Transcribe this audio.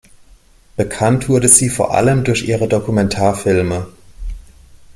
Bekannt wurde sie vor allem durch ihre Dokumentarfilme.